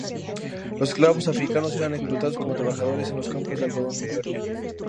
Los esclavos africanos eran explotados como trabajadores en los campos de algodón de Georgia.